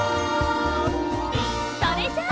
それじゃあ！